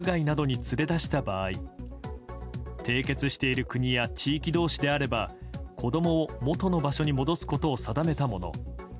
片方が配偶者の了解を得ずに子供を国外などに連れ出した場合締結している国や地域同士であれば子供を元の場所に戻すことを定めたもの。